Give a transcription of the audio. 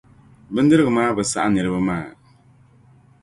Bindirigu maa bi saɣi niriba maa.